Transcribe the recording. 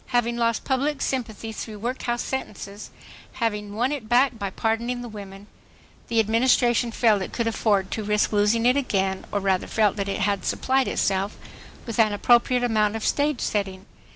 Having lost public sympathy through workhouse sentences, having won it back by pardoning the women, the Administration felt it could afford to risk losing it again, or rather felt that it had supplied itself with an appropriate amount of stage setting.